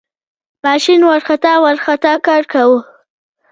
ماشین ورخطا ورخطا کار کاوه.